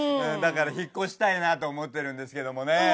だから引っ越したいなと思ってるんですけどもね。